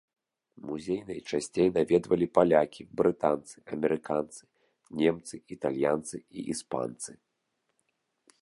Музей найчасцей наведвалі палякі, брытанцы, амерыканцы, немцы, італьянцы і іспанцы.